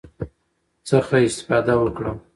څخه استفاده وکړم،